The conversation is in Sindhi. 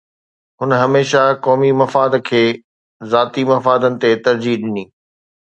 هن هميشه قومي مفاد کي ذاتي مفادن تي ترجيح ڏني